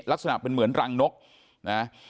ลักษณะเป็นเหมือนรังนกนะ